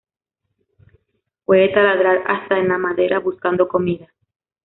Puede taladrar hasta en la madera buscando comida.